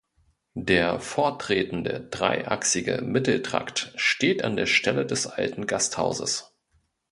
Der vortretende dreiachsige Mitteltrakt steht an der Stelle des alten Gasthauses.